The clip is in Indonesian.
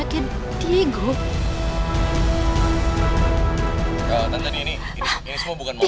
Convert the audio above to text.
tante ini semua bukan mau ya